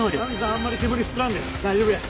あんまり煙吸っとらんで大丈夫や。